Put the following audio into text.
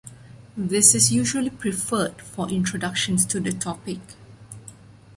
This is usually preferred for introductions to the topic.